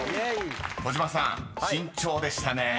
［児嶋さん慎重でしたね］